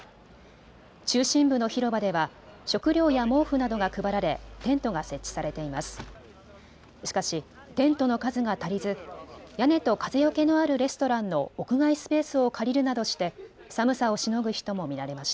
中心部の広場では食料や毛布などが配られテントが設置されています。